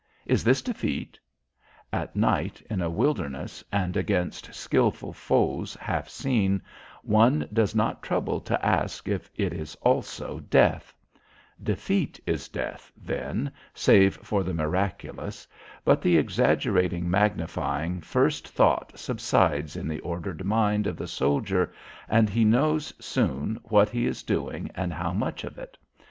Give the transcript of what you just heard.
"Is this defeat?" At night in a wilderness and against skilful foes half seen, one does not trouble to ask if it is also Death. Defeat is Death, then, save for the miraculous. But the exaggerating magnifying first thought subsides in the ordered mind of the soldier and he knows, soon, what he is doing and how much of it.